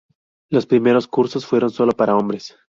Los primeros cursos fueron solo para hombres.